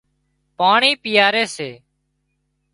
پاڻي پيئاري سي